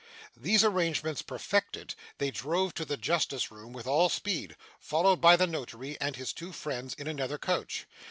These arrangements perfected, they drove to the justice room with all speed, followed by the notary and his two friends in another coach.